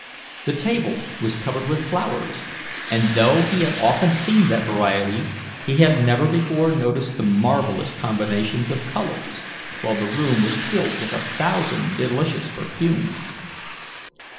The table was covered with flowers, and though he had often seen that variety, he had never before noticed the marvellous combinations of colours, while the room was filled with a thousand delicious perfumes.